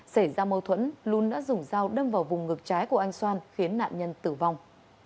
xảy ra mâu thuẫn lún đã dùng dao đâm vào vùng ngược trái của anh xoan khiến nạn nhân tử vong